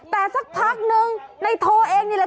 แต่สักพักนึงในโทเองนี่แหละ